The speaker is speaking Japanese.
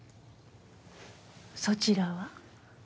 そちらは？